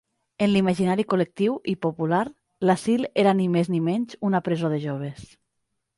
En l'imaginari col·lectiu i popular, l'asil era ni més ni menys una presó de joves.